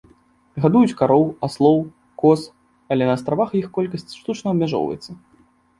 Гадуюць кароў, аслоў, коз, але на астравах іх колькасць штучна абмяжоўваецца.